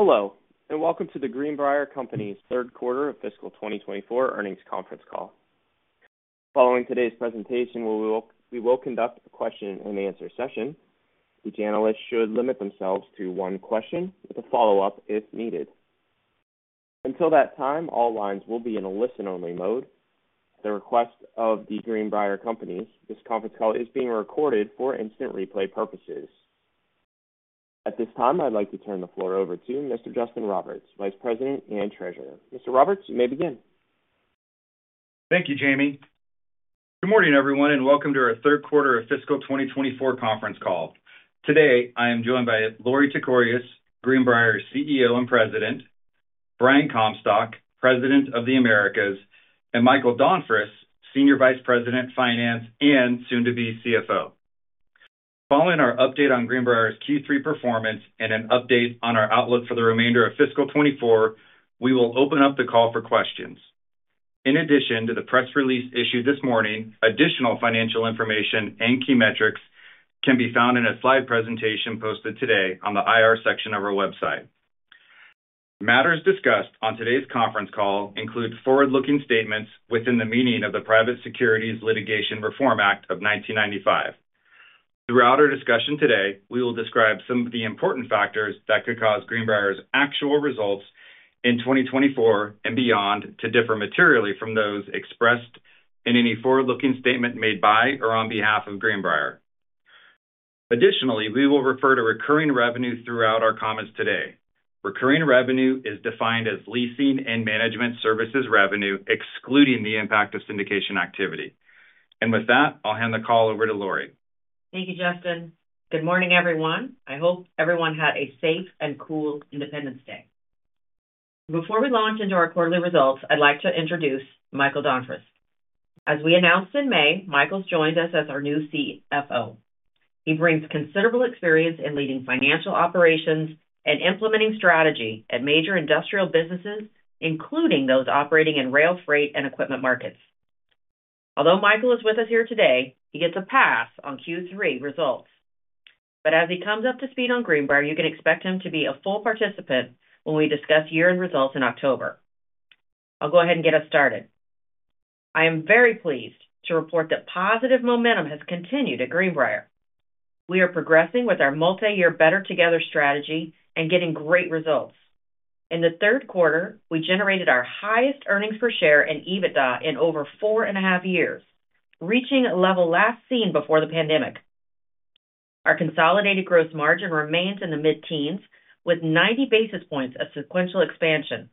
Hello, and welcome to the Greenbrier Companies' third quarter of fiscal 2024 earnings conference call. Following today's presentation, we will conduct a question-and-answer session. Each analyst should limit themselves to one question with a follow-up if needed. Until that time, all lines will be in a listen-only mode. At the request of the Greenbrier Companies, this conference call is being recorded for instant replay purposes. At this time, I'd like to turn the floor over to Mr. Justin Roberts, Vice President and Treasurer. Mr. Roberts, you may begin. Thank you, Jamie. Good morning, everyone, and welcome to our third quarter of fiscal 2024 conference call. Today, I am joined by Lorie Tekorius, Greenbrier's CEO and President; Brian Comstock, President of the Americas; and Michael Donfris, Senior Vice President, Finance, and soon-to-be CFO. Following our update on Greenbrier's Q3 performance and an update on our outlook for the remainder of fiscal 2024, we will open up the call for questions. In addition to the press release issued this morning, additional financial information and key metrics can be found in a slide presentation posted today on the IR section of our website. Matters discussed on today's conference call include forward-looking statements within the meaning of the Private Securities Litigation Reform Act of 1995. Throughout our discussion today, we will describe some of the important factors that could cause Greenbrier's actual results in 2024 and beyond to differ materially from those expressed in any forward-looking statement made by or on behalf of Greenbrier. Additionally, we will refer to recurring revenue throughout our comments today. Recurring revenue is defined as leasing and management services revenue, excluding the impact of syndication activity. And with that, I'll hand the call over to Lorie. Thank you, Justin. Good morning, everyone. I hope everyone had a safe and cool Independence Day. Before we launch into our quarterly results, I'd like to introduce Michael Donfris. As we announced in May, Michael's joined us as our new CFO. He brings considerable experience in leading financial operations and implementing strategy at major industrial businesses, including those operating in rail, freight, and equipment markets. Although Michael is with us here today, he gets a pass on Q3 results. But as he comes up to speed on Greenbrier, you can expect him to be a full participant when we discuss year-end results in October. I'll go ahead and get us started. I am very pleased to report that positive momentum has continued at Greenbrier. We are progressing with our multi-year Better Together strategy and getting great results. In the third quarter, we generated our highest earnings per share and EBITDA in over 4.5 years, reaching a level last seen before the pandemic. Our consolidated gross margin remains in the mid-teens with 90 basis points of sequential expansion.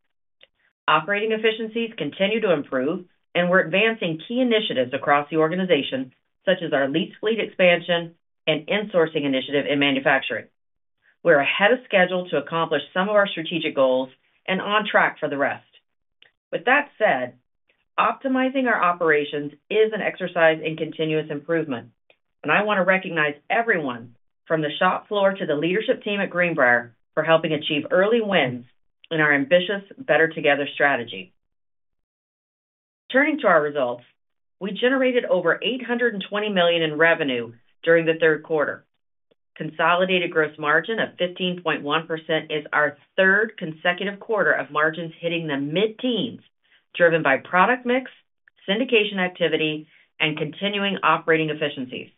Operating efficiencies continue to improve, and we're advancing key initiatives across the organization, such as our lease fleet expansion and insourcing initiative in manufacturing. We're ahead of schedule to accomplish some of our strategic goals and on track for the rest. With that said, optimizing our operations is an exercise in continuous improvement, and I want to recognize everyone from the shop floor to the leadership team at Greenbrier for helping achieve early wins in our ambitious Better Together strategy. Turning to our results, we generated over $820 million in revenue during the third quarter. Consolidated gross margin of 15.1% is our third consecutive quarter of margins hitting the mid-teens, driven by product mix, syndication activity, and continuing operating efficiencies.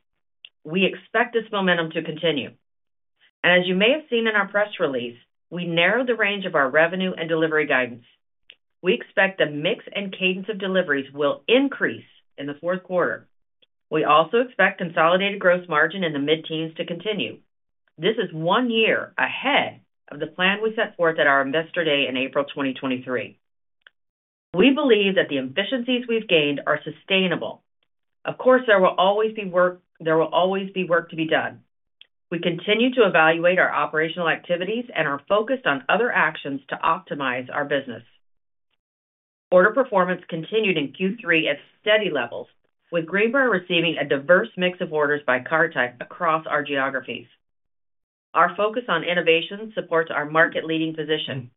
We expect this momentum to continue. As you may have seen in our press release, we narrowed the range of our revenue and delivery guidance. We expect the mix and cadence of deliveries will increase in the fourth quarter. We also expect consolidated gross margin in the mid-teens to continue. This is one year ahead of the plan we set forth at our Investor Day in April 2023. We believe that the efficiencies we've gained are sustainable. Of course, there will always be work to be done. We continue to evaluate our operational activities and are focused on other actions to optimize our business. Order performance continued in Q3 at steady levels, with Greenbrier receiving a diverse mix of orders by car type across our geographies. Our focus on innovation supports our market-leading position.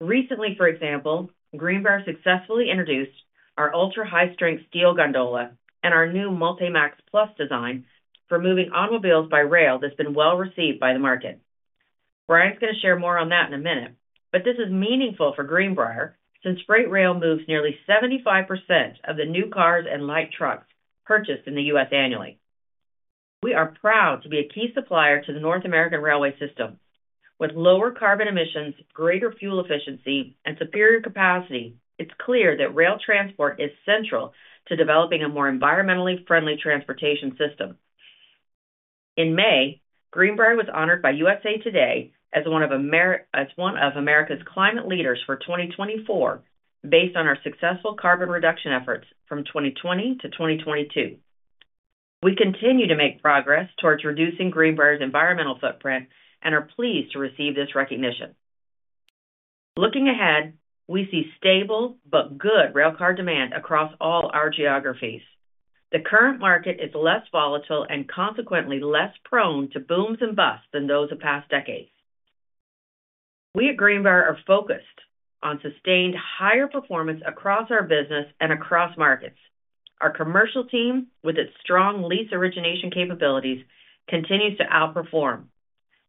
Recently, for example, Greenbrier successfully introduced our ultra-high-strength steel gondola and our new Multi-Max Plus design for moving automobiles by rail that's been well received by the market. Brian's going to share more on that in a minute, but this is meaningful for Greenbrier since freight rail moves nearly 75% of the new cars and light trucks purchased in the U.S. annually. We are proud to be a key supplier to the North American railway system. With lower carbon emissions, greater fuel efficiency, and superior capacity, it's clear that rail transport is central to developing a more environmentally friendly transportation system. In May, Greenbrier was honored by USA TODAY as one of America’s Climate Leaders for 2024, based on our successful carbon reduction efforts from 2020 to 2022. We continue to make progress towards reducing Greenbrier's environmental footprint and are pleased to receive this recognition. Looking ahead, we see stable but good railcar demand across all our geographies. The current market is less volatile and consequently less prone to booms and busts than those of past decades. We at Greenbrier are focused on sustained higher performance across our business and across markets. Our commercial team, with its strong lease origination capabilities, continues to outperform,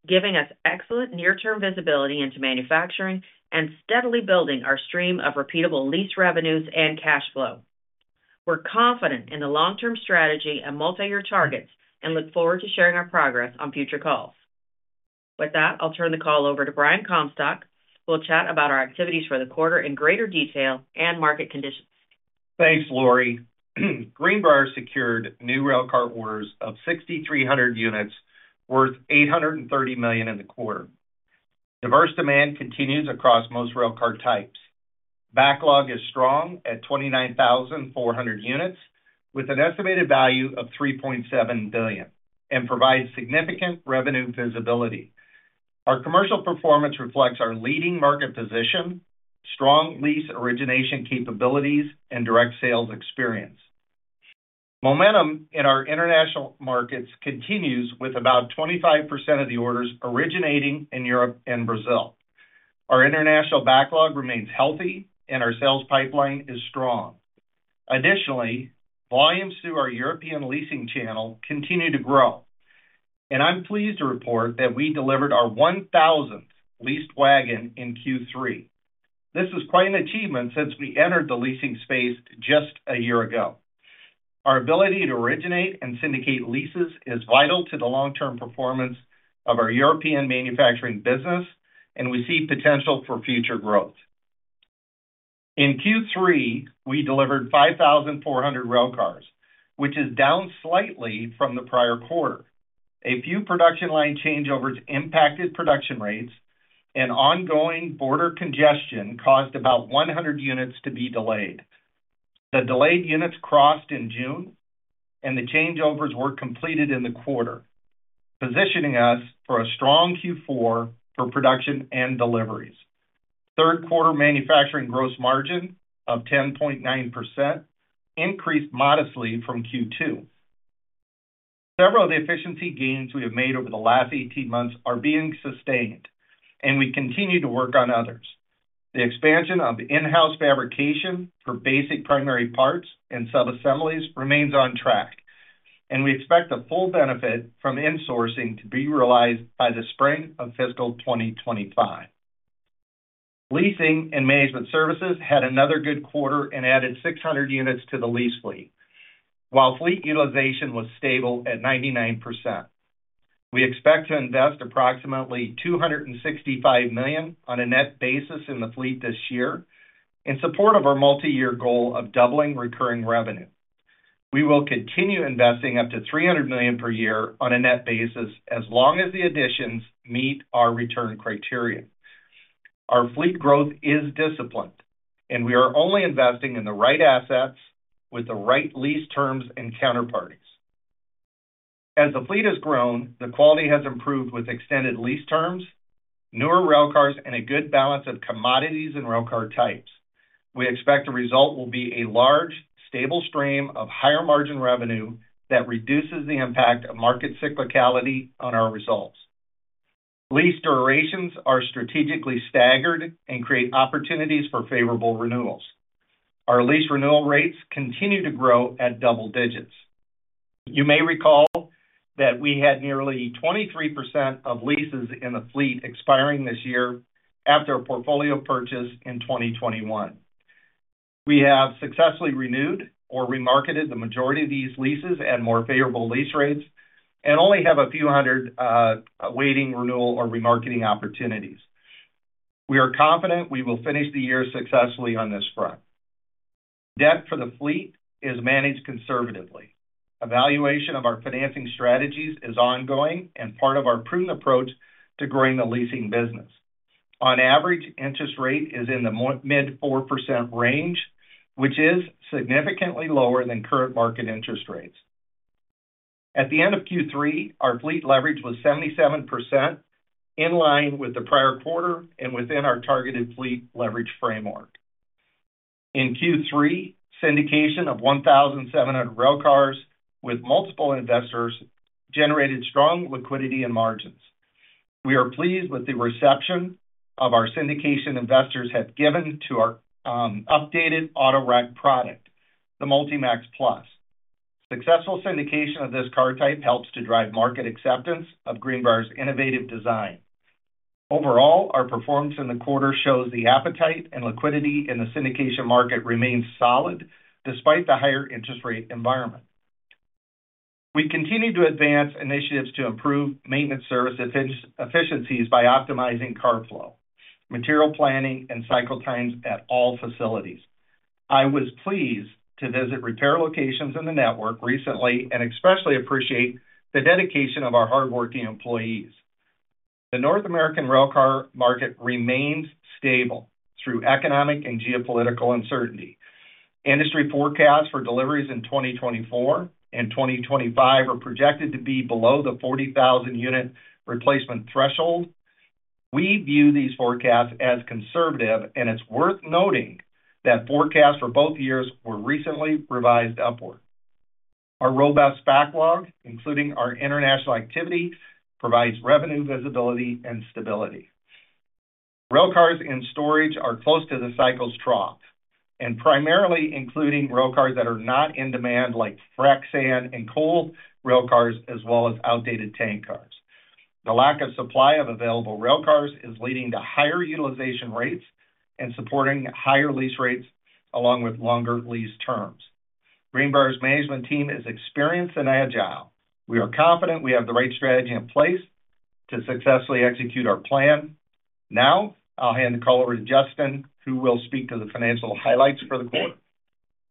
giving us excellent near-term visibility into manufacturing and steadily building our stream of repeatable lease revenues and cash flow. We're confident in the long-term strategy and multi-year targets and look forward to sharing our progress on future calls. With that, I'll turn the call over to Brian Comstock. We'll chat about our activities for the quarter in greater detail and market conditions. Thanks, Lorie. Greenbrier secured new railcar orders of 6,300 units worth $830 million in the quarter. Diverse demand continues across most railcar types. Backlog is strong at 29,400 units, with an estimated value of $3.7 billion, and provides significant revenue visibility. Our commercial performance reflects our leading market position, strong lease origination capabilities, and direct sales experience. Momentum in our international markets continues with about 25% of the orders originating in Europe and Brazil. Our international backlog remains healthy, and our sales pipeline is strong. Additionally, volumes through our European leasing channel continue to grow. I'm pleased to report that we delivered our 1,000th leased wagon in Q3. This is quite an achievement since we entered the leasing space just a year ago. Our ability to originate and syndicate leases is vital to the long-term performance of our European manufacturing business, and we see potential for future growth. In Q3, we delivered 5,400 railcars, which is down slightly from the prior quarter. A few production line changeovers impacted production rates, and ongoing border congestion caused about 100 units to be delayed. The delayed units crossed in June, and the changeovers were completed in the quarter, positioning us for a strong Q4 for production and deliveries. Third quarter manufacturing gross margin of 10.9% increased modestly from Q2. Several of the efficiency gains we have made over the last 18 months are being sustained, and we continue to work on others. The expansion of in-house fabrication for basic primary parts and sub-assemblies remains on track, and we expect the full benefit from insourcing to be realized by the spring of fiscal 2025. Leasing and management services had another good quarter and added 600 units to the lease fleet, while fleet utilization was stable at 99%. We expect to invest approximately $265 million on a net basis in the fleet this year in support of our multi-year goal of doubling recurring revenue. We will continue investing up to $300 million per year on a net basis as long as the additions meet our return criteria. Our fleet growth is disciplined, and we are only investing in the right assets with the right lease terms and counterparties. As the fleet has grown, the quality has improved with extended lease terms, newer railcars, and a good balance of commodities and railcar types. We expect the result will be a large, stable stream of higher margin revenue that reduces the impact of market cyclicality on our results. Lease durations are strategically staggered and create opportunities for favorable renewals. Our lease renewal rates continue to grow at double digits. You may recall that we had nearly 23% of leases in the fleet expiring this year after a portfolio purchase in 2021. We have successfully renewed or remarketed the majority of these leases at more favorable lease rates and only have a few hundred awaiting renewal or remarketing opportunities. We are confident we will finish the year successfully on this front. Debt for the fleet is managed conservatively. Evaluation of our financing strategies is ongoing and part of our prudent approach to growing the leasing business. On average, interest rate is in the mid-4% range, which is significantly lower than current market interest rates. At the end of Q3, our fleet leverage was 77%, in line with the prior quarter and within our targeted fleet leverage framework. In Q3, syndication of 1,700 railcars with multiple investors generated strong liquidity and margins. We are pleased with the reception our syndication investors have given to our updated auto rack product, the Multi-Max Plus. Successful syndication of this car type helps to drive market acceptance of Greenbrier's innovative design. Overall, our performance in the quarter shows the appetite and liquidity in the syndication market remains solid despite the higher interest rate environment. We continue to advance initiatives to improve maintenance service efficiencies by optimizing car flow, material planning, and cycle times at all facilities. I was pleased to visit repair locations in the network recently and especially appreciate the dedication of our hardworking employees. The North American railcar market remains stable through economic and geopolitical uncertainty. Industry forecasts for deliveries in 2024 and 2025 are projected to be below the 40,000 unit replacement threshold. We view these forecasts as conservative, and it's worth noting that forecasts for both years were recently revised upward. Our robust backlog, including our international activity, provides revenue visibility and stability. Railcars in storage are close to the cycle's trough, and primarily including railcars that are not in demand like frac sand and coal railcars, as well as outdated tank cars. The lack of supply of available railcars is leading to higher utilization rates and supporting higher lease rates along with longer lease terms. Greenbrier's management team is experienced and agile. We are confident we have the right strategy in place to successfully execute our plan. Now, I'll hand the call over to Justin, who will speak to the financial highlights for the quarter.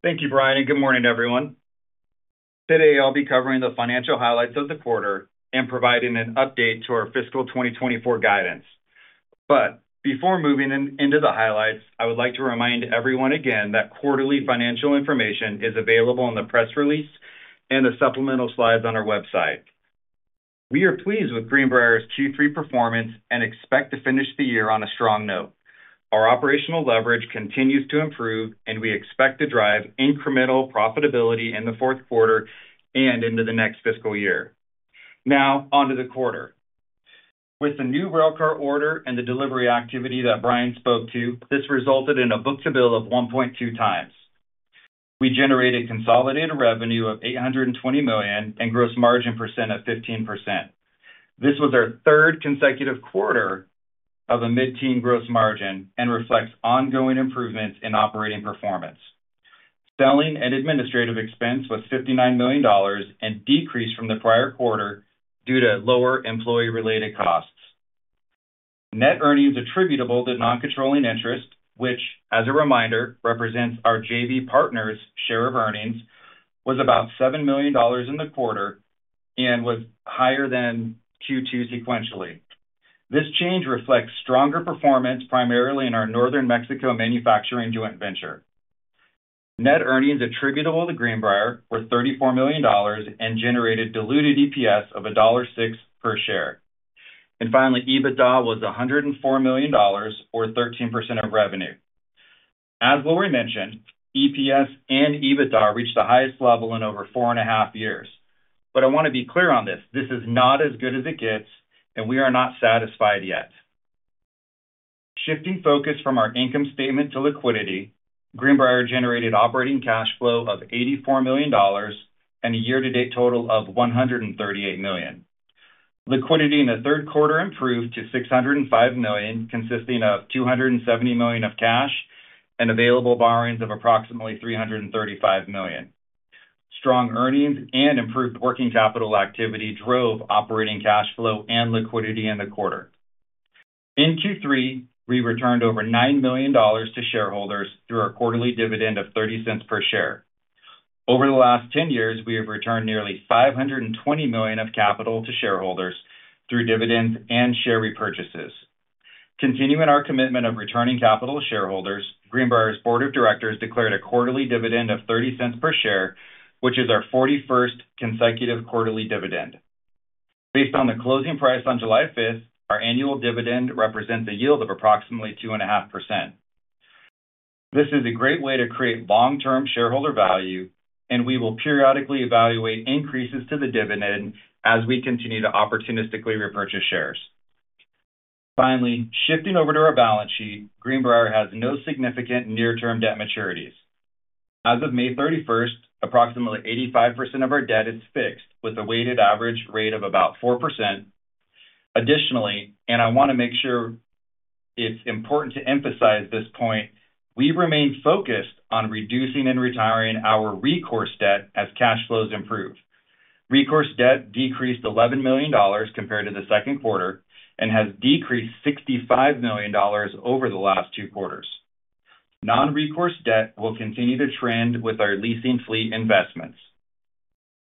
Thank you, Brian, and good morning to everyone. Today, I'll be covering the financial highlights of the quarter and providing an update to our fiscal 2024 guidance. Before moving into the highlights, I would like to remind everyone again that quarterly financial information is available in the press release and the supplemental slides on our website. We are pleased with Greenbrier's Q3 performance and expect to finish the year on a strong note. Our operational leverage continues to improve, and we expect to drive incremental profitability in the fourth quarter and into the next fiscal year. Now, on to the quarter. With the new railcar order and the delivery activity that Brian spoke to, this resulted in a book-to-bill of 1.2x. We generated consolidated revenue of $820 million and gross margin percent of 15%. This was our third consecutive quarter of a mid-teens gross margin and reflects ongoing improvements in operating performance. Selling and administrative expense was $59 million and decreased from the prior quarter due to lower employee-related costs. Net earnings attributable to non-controlling interest, which, as a reminder, represents our JV partner's share of earnings, was about $7 million in the quarter and was higher than Q2 sequentially. This change reflects stronger performance primarily in our Northern Mexico manufacturing joint venture. Net earnings attributable to Greenbrier were $34 million and generated diluted EPS of $1.06 per share. Finally, EBITDA was $104 million, or 13% of revenue. As Lorie mentioned, EPS and EBITDA reached the highest level in over four and a half years. I want to be clear on this. This is not as good as it gets, and we are not satisfied yet. Shifting focus from our income statement to liquidity, Greenbrier generated operating cash flow of $84 million and a year-to-date total of $138 million. Liquidity in the third quarter improved to $605 million, consisting of $270 million of cash and available borrowings of approximately $335 million. Strong earnings and improved working capital activity drove operating cash flow and liquidity in the quarter. In Q3, we returned over $9 million to shareholders through our quarterly dividend of $0.30 per share. Over the last 10 years, we have returned nearly $520 million of capital to shareholders through dividends and share repurchases. Continuing our commitment of returning capital to shareholders, Greenbrier's board of directors declared a quarterly dividend of $0.30 per share, which is our 41st consecutive quarterly dividend. Based on the closing price on July 5th, our annual dividend represents a yield of approximately 2.5%. This is a great way to create long-term shareholder value, and we will periodically evaluate increases to the dividend as we continue to opportunistically repurchase shares. Finally, shifting over to our balance sheet, Greenbrier has no significant near-term debt maturities. As of May 31st, approximately 85% of our debt is fixed with a weighted average rate of about 4%. Additionally, and I want to make sure it's important to emphasize this point, we remain focused on reducing and retiring our recourse debt as cash flows improve. Recourse debt decreased $11 million compared to the second quarter and has decreased $65 million over the last two quarters. Non-recourse debt will continue to trend with our leasing fleet investments.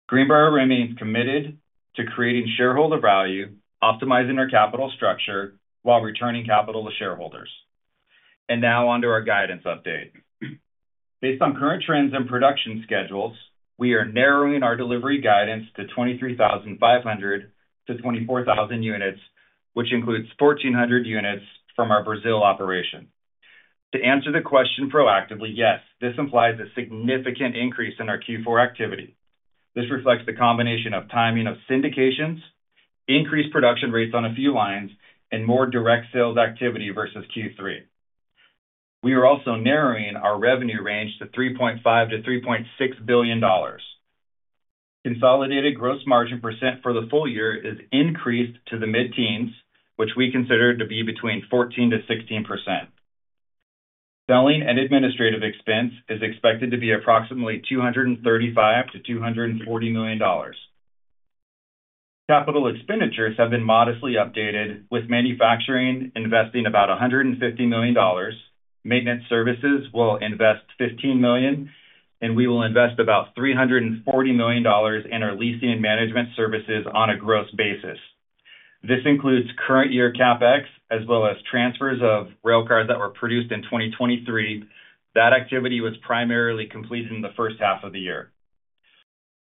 Greenbrier remains committed to creating shareholder value, optimizing our capital structure while returning capital to shareholders. Now on to our guidance update. Based on current trends and production schedules, we are narrowing our delivery guidance to 23,500-24,000 units, which includes 1,400 units from our Brazil operation. To answer the question proactively, yes, this implies a significant increase in our Q4 activity. This reflects the combination of timing of syndications, increased production rates on a few lines, and more direct sales activity versus Q3. We are also narrowing our revenue range to $3.5-$3.6 billion. Consolidated gross margin percent for the full year is increased to the mid-teens, which we consider to be between 14%-16%. Selling and administrative expense is expected to be approximately $235-$240 million. Capital expenditures have been modestly updated, with manufacturing investing about $150 million. Maintenance services will invest $15 million, and we will invest about $340 million in our leasing and management services on a gross basis. This includes current year CapEx as well as transfers of railcars that were produced in 2023. That activity was primarily completed in the first half of the year.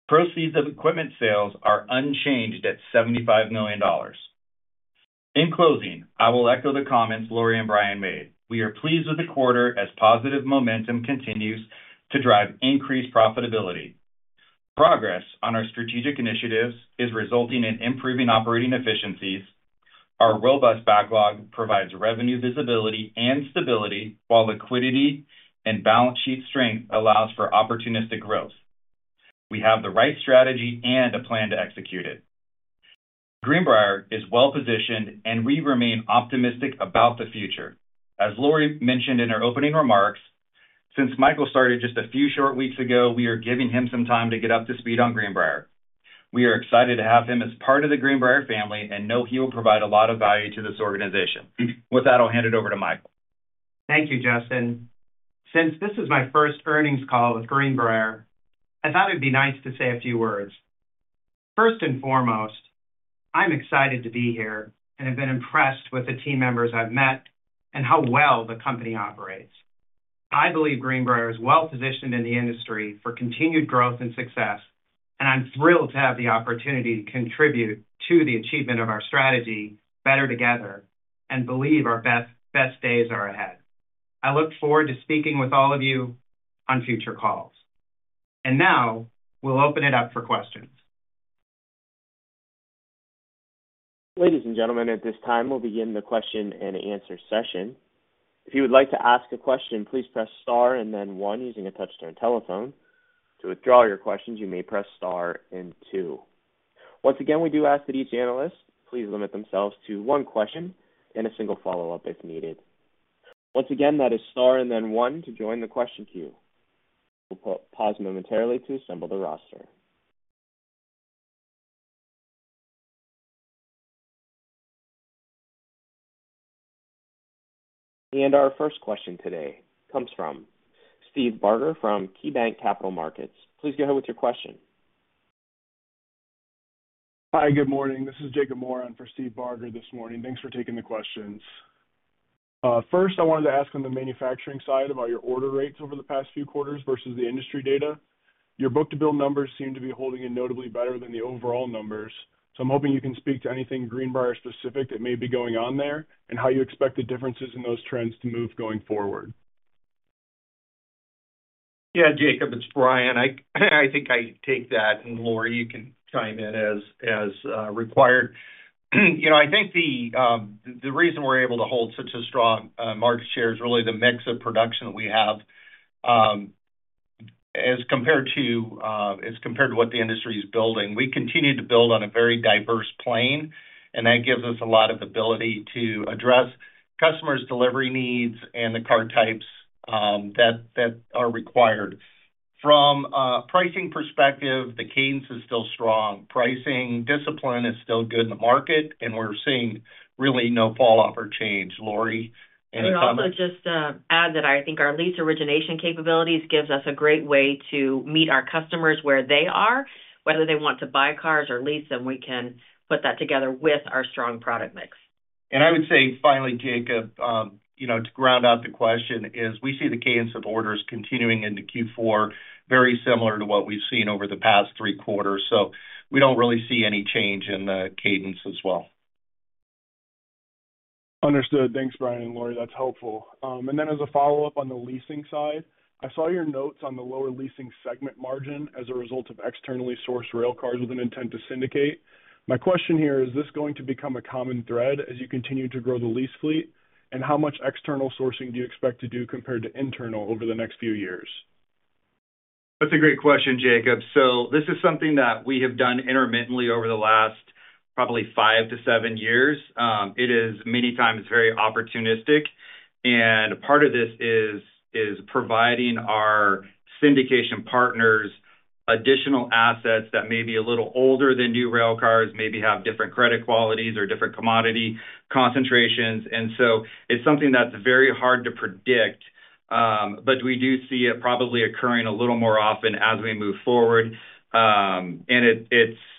Proceeds of equipment sales are unchanged at $75 million. In closing, I will echo the comments Lorie and Brian made. We are pleased with the quarter as positive momentum continues to drive increased profitability. Progress on our strategic initiatives is resulting in improving operating efficiencies. Our robust backlog provides revenue visibility and stability, while liquidity and balance sheet strength allows for opportunistic growth. We have the right strategy and a plan to execute it. Greenbrier is well-positioned, and we remain optimistic about the future. As Lorie mentioned in her opening remarks, since Michael started just a few short weeks ago, we are giving him some time to get up to speed on Greenbrier. We are excited to have him as part of the Greenbrier family and know he will provide a lot of value to this organization. With that, I'll hand it over to Michael. Thank you, Justin. Since this is my first earnings call with Greenbrier, I thought it'd be nice to say a few words. First and foremost, I'm excited to be here and have been impressed with the team members I've met and how well the company operates. I believe Greenbrier is well-positioned in the industry for continued growth and success, and I'm thrilled to have the opportunity to contribute to the achievement of our strategy Better Together and believe our best days are ahead. I look forward to speaking with all of you on future calls. And now, we'll open it up for questions. Ladies and gentlemen, at this time, we'll begin the question and answer session. If you would like to ask a question, please press Star and then One using a touchscreen telephone. To withdraw your questions, you may press star and two. Once again, we do ask that each analyst please limit themselves to one question and a single follow-up if needed. Once again, that is star and then one to join the question queue. We'll pause momentarily to assemble the roster. Our first question today comes from Steve Barger from KeyBanc Capital Markets. Please go ahead with your question. Hi, good morning. This is Jacob Moran for Steve Barger this morning. Thanks for taking the questions. First, I wanted to ask on the manufacturing side about your order rates over the past few quarters versus the industry data. Your book-to-bill numbers seem to be holding in notably better than the overall numbers. So I'm hoping you can speak to anything Greenbrier-specific that may be going on there and how you expect the differences in those trends to move going forward. Yeah, Jacob, it's Brian. I think I take that, and Lorie, you can chime in as required. I think the reason we're able to hold such a strong market share is really the mix of production that we have. As compared to what the industry is building, we continue to build on a very diverse plane, and that gives us a lot of ability to address customers' delivery needs and the car types that are required. From a pricing perspective, the cadence is still strong. Pricing discipline is still good in the market, and we're seeing really no falloff or change. Lorie, any comment? I'd also just add that I think our lease origination capabilities gives us a great way to meet our customers where they are. Whether they want to buy cars or lease them, we can put that together with our strong product mix. I would say, finally, Jacob, to round out the question, is we see the cadence of orders continuing into Q4, very similar to what we've seen over the past three quarters. We don't really see any change in the cadence as well. Understood. Thanks, Brian and Lorie. That's helpful. And then as a follow-up on the leasing side, I saw your notes on the lower leasing segment margin as a result of externally sourced railcars with an intent to syndicate. My question here is, is this going to become a common thread as you continue to grow the lease fleet? And how much external sourcing do you expect to do compared to internal over the next few years? That's a great question, Jacob. So this is something that we have done intermittently over the last probably five to seven years. It is many times very opportunistic. And part of this is providing our syndication partners additional assets that may be a little older than new railcars, maybe have different credit qualities or different commodity concentrations. And so it's something that's very hard to predict, but we do see it probably occurring a little more often as we move forward. And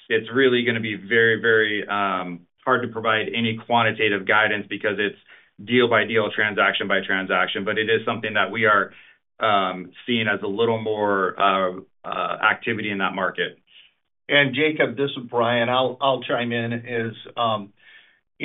it's really going to be very, very hard to provide any quantitative guidance because it's deal by deal, transaction by transaction. But it is something that we are seeing as a little more activity in that market. And Jacob, this is Brian. I'll chime in.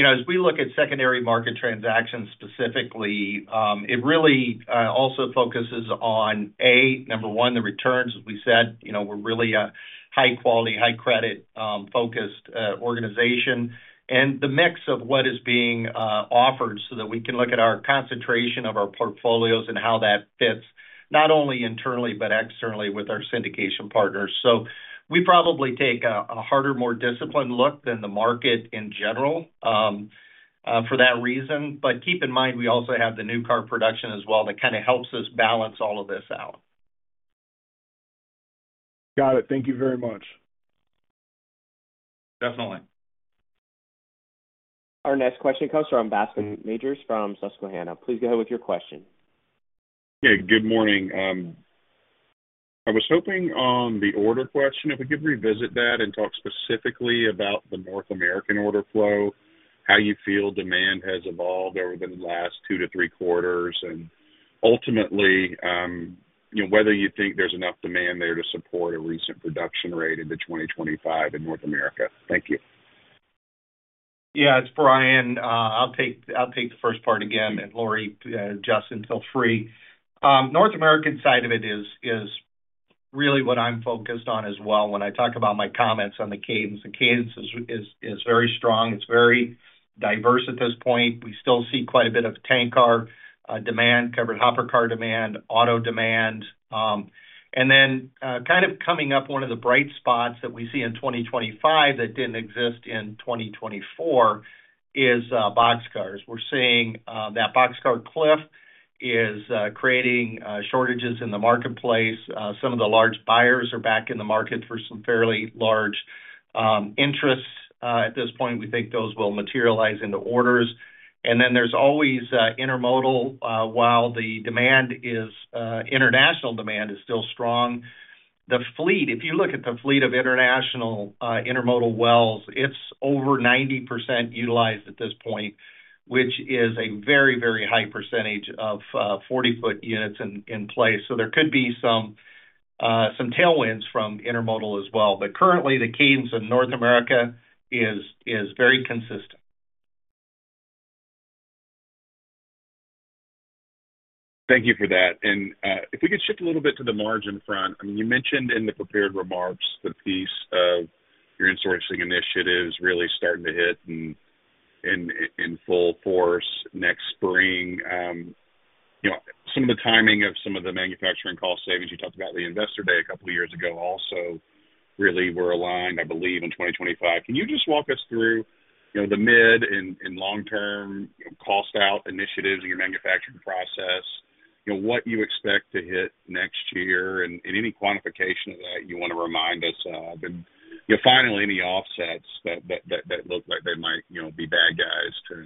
As we look at secondary market transactions specifically, it really also focuses on, A, number one, the returns. As we said, we're really a high-quality, high-credit-focused organization. And the mix of what is being offered so that we can look at our concentration of our portfolios and how that fits not only internally, but externally with our syndication partners. So we probably take a harder, more disciplined look than the market in general for that reason. But keep in mind, we also have the new car production as well that kind of helps us balance all of this out. Got it. Thank you very much. Definitely. Our next question comes from Bascome Majors from Susquehanna. Please go ahead with your question. Yeah, good morning. I was hoping on the order question if we could revisit that and talk specifically about the North American order flow, how you feel demand has evolved over the last 2-3 quarters, and ultimately whether you think there's enough demand there to support a recent production rate into 2025 in North America. Thank you. Yeah, it's Brian. I'll take the first part again. And Lorie, Justin, feel free. North American side of it is really what I'm focused on as well. When I talk about my comments on the cadence, the cadence is very strong. It's very diverse at this point. We still see quite a bit of tank car demand, covered hopper car demand, auto demand. And then kind of coming up, one of the bright spots that we see in 2025 that didn't exist in 2024 is boxcars. We're seeing that boxcar cliff is creating shortages in the marketplace. Some of the large buyers are back in the market for some fairly large interests. At this point, we think those will materialize into orders. And then there's always intermodal while the international demand is still strong. The fleet, if you look at the fleet of international intermodal well cars, it's over 90% utilized at this point, which is a very, very high percentage of 40-foot units in place. So there could be some tailwinds from intermodal as well. But currently, the cadence in North America is very consistent. Thank you for that. If we could shift a little bit to the margin front, I mean, you mentioned in the prepared remarks the piece of your insourcing initiatives really starting to hit in full force next spring. Some of the timing of some of the manufacturing cost savings you talked about at the Investor Day a couple of years ago also really were aligned, I believe, in 2025. Can you just walk us through the mid- and long-term cost-out initiatives in your manufacturing process, what you expect to hit next year, and any quantification of that you want to remind us of? And finally, any offsets that look like they might be bad guys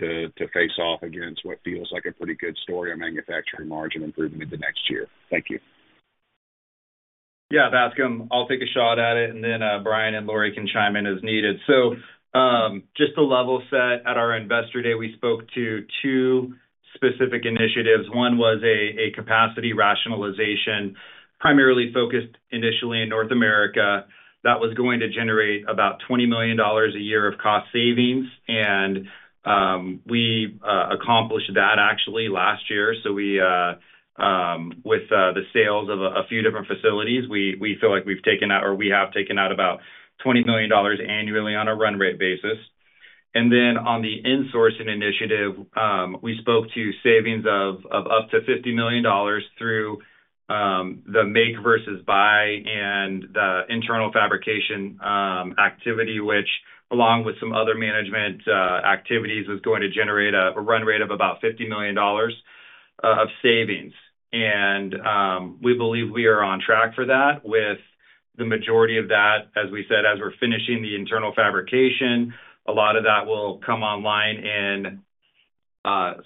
to face off against what feels like a pretty good story on manufacturing margin improvement into next year? Thank you. Yeah, Bascome, I'll take a shot at it. And then Brian and Lorie can chime in as needed. So just to level set at our Investor Day, we spoke to two specific initiatives. One was a capacity rationalization primarily focused initially in North America that was going to generate about $20 million a year of cost savings. And we accomplished that actually last year. So with the sales of a few different facilities, we feel like we've taken out or we have taken out about $20 million annually on a run rate basis. And then on the insourcing initiative, we spoke to savings of up to $50 million through the make versus buy and the internal fabrication activity, which along with some other management activities was going to generate a run rate of about $50 million of savings. We believe we are on track for that with the majority of that, as we said, as we're finishing the internal fabrication. A lot of that will come online in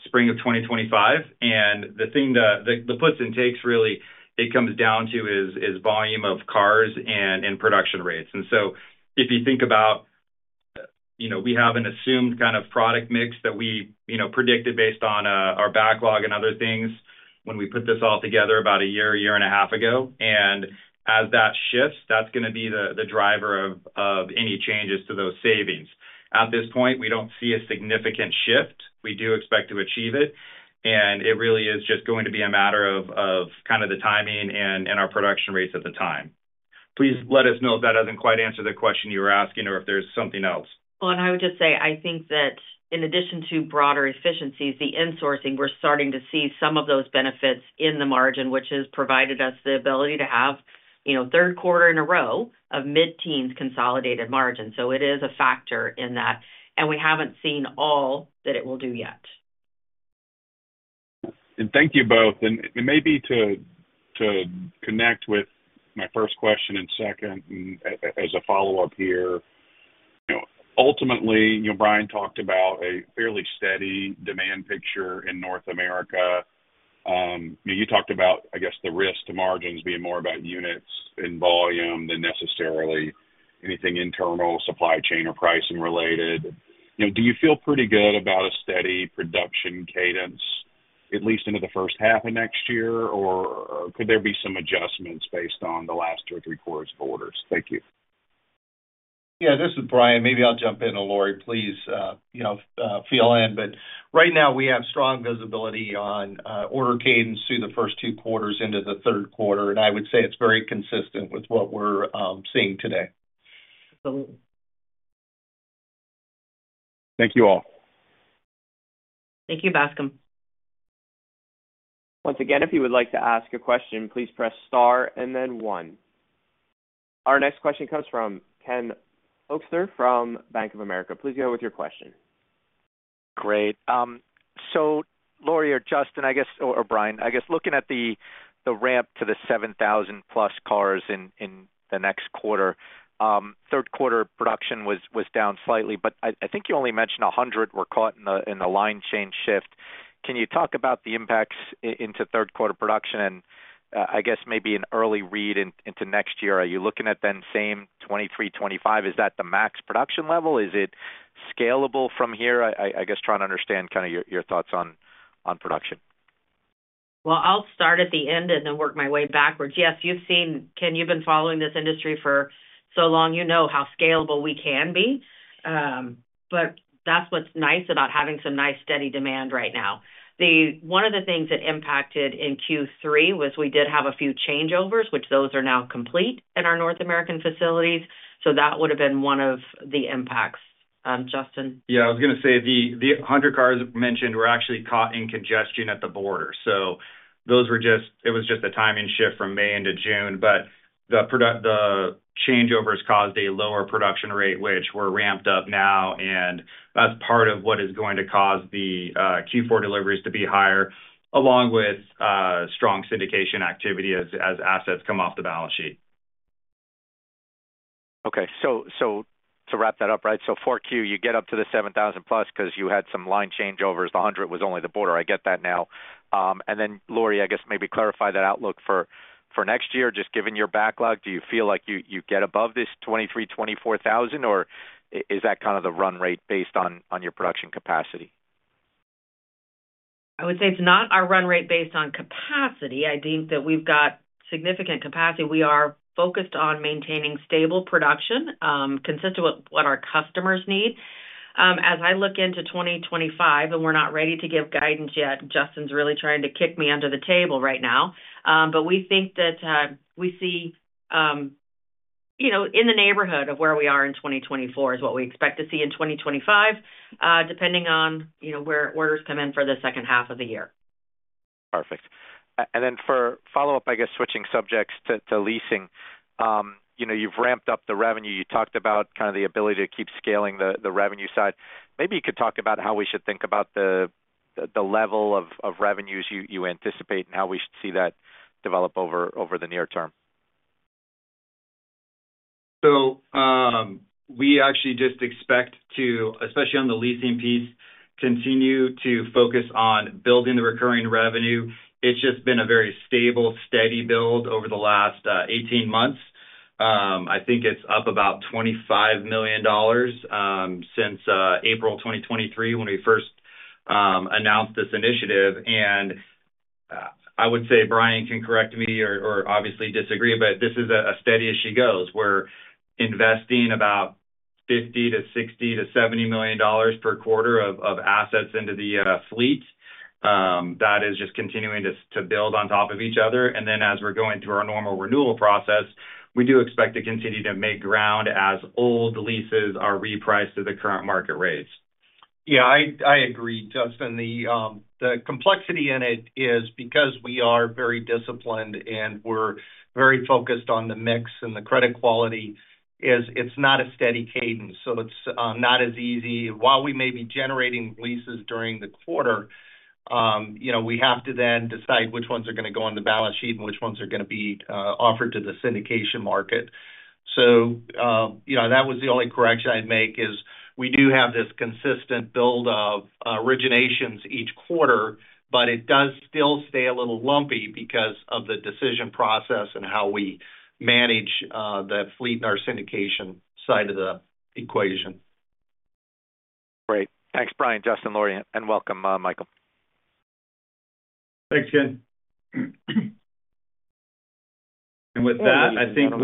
spring of 2025. And the thing that the puts and takes really it comes down to is volume of cars and production rates. And so if you think about, we have an assumed kind of product mix that we predicted based on our backlog and other things when we put this all together about a year, a year and a half ago. And as that shifts, that's going to be the driver of any changes to those savings. At this point, we don't see a significant shift. We do expect to achieve it. And it really is just going to be a matter of kind of the timing and our production rates at the time. Please let us know if that doesn't quite answer the question you were asking or if there's something else. Well, and I would just say I think that in addition to broader efficiencies, the insourcing, we're starting to see some of those benefits in the margin, which has provided us the ability to have third quarter in a row of mid-teens consolidated margin. So it is a factor in that. And we haven't seen all that it will do yet. Thank you both. Maybe to connect with my first question and second as a follow-up here, ultimately, Brian talked about a fairly steady demand picture in North America. You talked about, I guess, the risk to margins being more about units in volume than necessarily anything internal supply chain or pricing related. Do you feel pretty good about a steady production cadence, at least into the first half of next year? Or could there be some adjustments based on the last two or three quarters of orders? Thank you. Yeah, this is Brian. Maybe I'll jump in. And Lorie, please fill in. But right now, we have strong visibility on order cadence through the first two quarters into the third quarter. And I would say it's very consistent with what we're seeing today. Absolutely. Thank you all. Thank you, Bascome. Once again, if you would like to ask a question, please press star and then one. Our next question comes from Ken Hoexter from Bank of America. Please go ahead with your question. Great. So Lorie or Justin, I guess, or Brian, I guess, looking at the ramp to the 7,000+ cars in the next quarter, third quarter production was down slightly. But I think you only mentioned 100 were caught in the line change shift. Can you talk about the impacts into third quarter production and, I guess, maybe an early read into next year? Are you looking at the same 2023, 2025? Is that the max production level? Is it scalable from here? I guess trying to understand kind of your thoughts on production. Well, I'll start at the end and then work my way backwards. Yes, you've seen, Ken, you've been following this industry for so long, you know how scalable we can be. But that's what's nice about having some nice steady demand right now. One of the things that impacted in Q3 was we did have a few changeovers, which those are now complete at our North American facilities. So that would have been one of the impacts. Justin? Yeah, I was going to say the 100 cars mentioned were actually caught in congestion at the border. So it was just a timing shift from May into June. But the changeovers caused a lower production rate, which we're ramped up now. And that's part of what is going to cause the Q4 deliveries to be higher, along with strong syndication activity as assets come off the balance sheet. Okay. So to wrap that up, right? So for Q, you get up to the 7,000+ because you had some line changeovers. The 100 was only the border. I get that now. And then, Lorie, I guess maybe clarify that outlook for next year. Just given your backlog, do you feel like you get above this 23,000-24,000? Or is that kind of the run rate based on your production capacity? I would say it's not our run rate based on capacity. I think that we've got significant capacity. We are focused on maintaining stable production consistent with what our customers need. As I look into 2025, and we're not ready to give guidance yet, Justin's really trying to kick me under the table right now. But we think that we see in the neighborhood of where we are in 2024 is what we expect to see in 2025, depending on where orders come in for the second half of the year. Perfect. And then for follow-up, I guess switching subjects to leasing, you've ramped up the revenue. You talked about kind of the ability to keep scaling the revenue side. Maybe you could talk about how we should think about the level of revenues you anticipate and how we should see that develop over the near term. So we actually just expect to, especially on the leasing piece, continue to focus on building the recurring revenue. It's just been a very stable, steady build over the last 18 months. I think it's up about $25 million since April 2023 when we first announced this initiative. And I would say Brian can correct me or obviously disagree, but this is as steady as she goes. We're investing about $50 million to $60 million to $70 million per quarter of assets into the fleet. That is just continuing to build on top of each other. And then as we're going through our normal renewal process, we do expect to continue to make ground as old leases are repriced to the current market rates. Yeah, I agree, Justin. The complexity in it is because we are very disciplined and we're very focused on the mix and the credit quality. It's not a steady cadence. So it's not as easy. While we may be generating leases during the quarter, we have to then decide which ones are going to go on the balance sheet and which ones are going to be offered to the syndication market. So that was the only correction I'd make is we do have this consistent build of originations each quarter, but it does still stay a little lumpy because of the decision process and how we manage the fleet and our syndication side of the equation. Great. Thanks, Brian, Justin, Lorie, and welcome, Michael. Thanks, Ken. With that, I think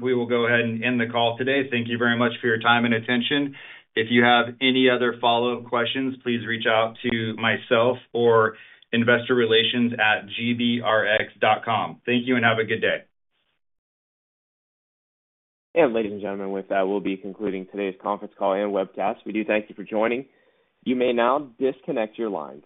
we will go ahead and end the call today. Thank you very much for your time and attention. If you have any other follow-up questions, please reach out to myself or investorrelations@gbrx.com. Thank you and have a good day. Ladies and gentlemen, with that, we'll be concluding today's conference call and webcast. We do thank you for joining. You may now disconnect your lines.